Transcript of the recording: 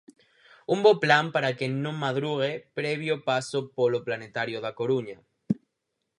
Un bo plan para quen non madrugue, previo paso polo planetario da Coruña.